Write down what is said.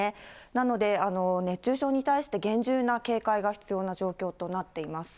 なので、熱中症に対して厳重な警戒が必要な状況となっています。